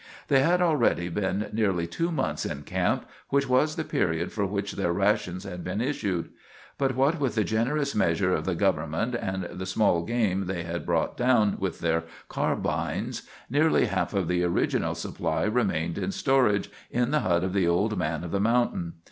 They had already been nearly two months in camp, which was the period for which their rations had been issued; but, what with the generous measure of the government and the small game they had brought down with their carbines, nearly half of the original supply remained on storage in the hut of the old man of the mountain.